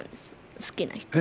好きな人に。